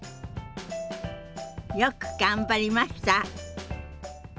よく頑張りました。